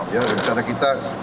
ya secara kita